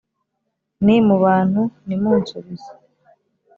ni mu bantu Nimunsubize